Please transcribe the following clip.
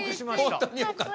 本当によかった！